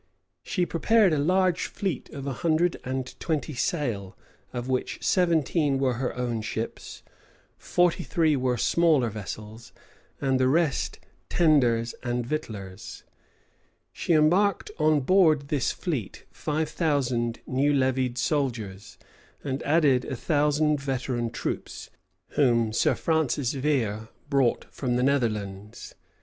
She prepared a large fleet of a hundred and twenty sail, of which seventeen were her own ships, forty three were smaller vessels, and the rest tenders and victuallers: she embarked on board this fleet five thousand new levied soldiers, and added a thousand veteran troops, whom Sir Francis Vere brought from the Netherlands.